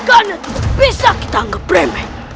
karena itu bisa kita anggap remeh